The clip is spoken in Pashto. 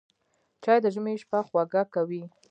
چای د ژمي شپه خوږه کوي